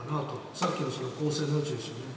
さっきの公正の余地ですよね。